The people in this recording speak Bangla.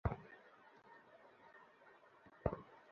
তোমাকে চুপ করে থাকার পরামর্শ দেয়া হলো।